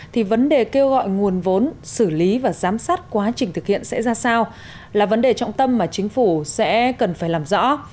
thì vấn đề kêu gọi nguồn vốn xử lý và giám sát quá trình thực hiện sẽ ra sao là vấn đề trọng tâm mà chính phủ sẽ cần phải làm rõ